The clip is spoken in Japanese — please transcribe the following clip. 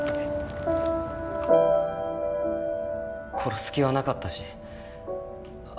殺す気はなかったしあ